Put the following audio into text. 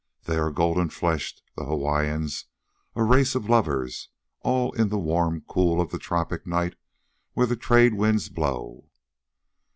They are golden fleshed, the Hawaiians, a race of lovers, all in the warm cool of the tropic night where the trade winds blow."